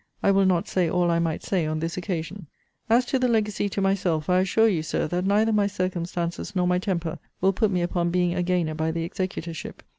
I will not say all I might say on this occasion. As to the legacy to myself, I assure you, Sir, that neither my circumstances nor my temper will put me upon being a gainer by the executorship.